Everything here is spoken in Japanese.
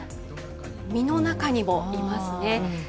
身の中にもいますね。